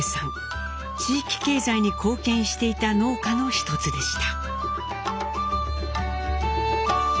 地域経済に貢献していた農家の一つでした。